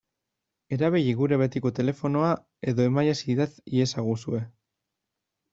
Erabili gure betiko telefonoa edo emailez idatz iezaguzue.